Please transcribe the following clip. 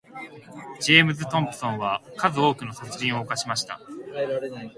ジェームズトムプソンは数多くの殺人を犯しました。